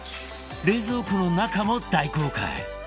冷蔵庫の中も大公開。